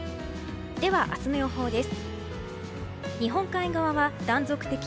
では、明日の予報です。